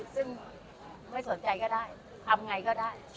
ซึ่งไม่สนใจก็ได้ทำไงก็ได้